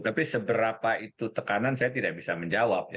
tapi seberapa itu tekanan saya tidak bisa menjawab ya